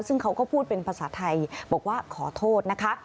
ซึ่งเขาก็พูดเป็นภาษาไทยบอกว่าขอโทษนะคะ